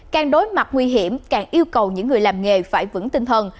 càng đối mặt nguy hiểm càng yêu cầu những người làm nghề phải vững tinh thần